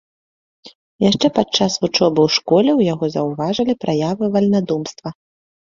Яшчэ падчас вучобы ў школе ў яго заўважылі праявы вальнадумства.